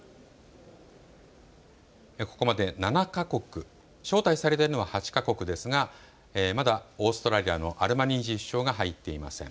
ここまで７か国、招待されているのは８か国ですがまだオーストラリアのアルバニージー首相が入っていません。